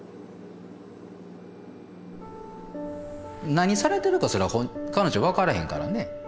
何されてるかすら彼女分からへんからね。